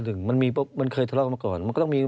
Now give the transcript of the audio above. หนึ่งมันเคยทะเลาะกันมาก่อนมันก็ต้องมี